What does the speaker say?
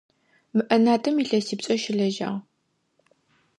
Мы ӏэнатӏэм илъэсипшӏэ щылэжьагъ.